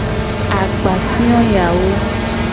Akpafio yawo.